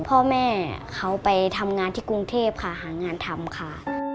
พ่อแม่เขาไปทำงานที่กรุงเทพค่ะหางานทำค่ะ